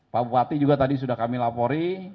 pak bupati juga tadi sudah kami lapori